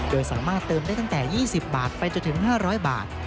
โดยสามารถเติมได้ตั้งแต่๒๐บาทไปจนถึง๕๐๐บาท